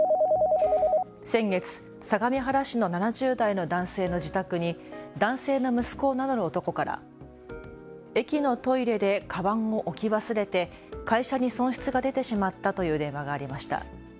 先月、相模原市の７０代の男性の自宅に男性の息子を名乗る男から駅のトイレでかばんを置き忘れて会社に損失が出てしまったという電話がありました。